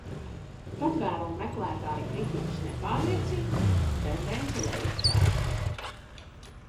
Patvēruma meklētāji kritiķus nepārliecina, tendence lejup vērsta.